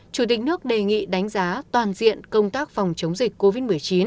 chủ tịch nước đề nghị đánh giá toàn diện công tác phòng chống dịch covid một mươi chín